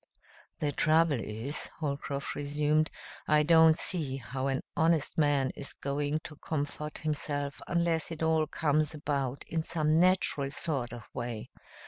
"The trouble is," Holcroft resumed, "I don't see how an honest man is going to comfort himself unless it all comes about in some natural sort of way.